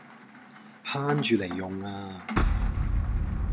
慳住嚟用呀